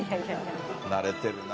慣れてるな。